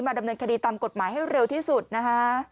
ดำเนินคดีตามกฎหมายให้เร็วที่สุดนะคะ